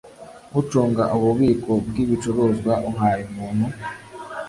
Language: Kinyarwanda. Ucunga ububiko bw ibicuruzwa uhaye umuntu